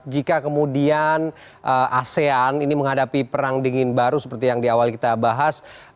jika kemudian asean ini menghadapi perang dingin baru seperti yang di awal kita bahas